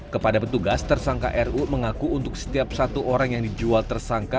kepada petugas tersangka ru mengaku untuk setiap satu orang yang dijual tersangka